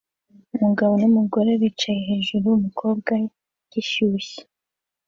Umugabo numugore bicaye hejuru-umukobwa gishyushye